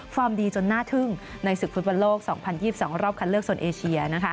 ฟอร์มดีจนหน้าทึ่งในศึกฝุ่นประโลก๒๐๒๒รอบคันเลือกส่วนเอเชีย